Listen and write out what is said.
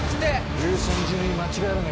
優先順位間違えるなよ。